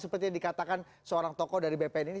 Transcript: seperti yang dikatakan seorang tokoh dari bpn ini